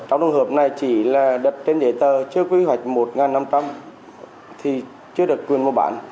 trong trường hợp này chỉ là đất trên giấy tờ chưa quy hoạch một năm trăm linh thì chưa được quyền mua bán